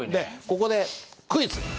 ここでクイズ！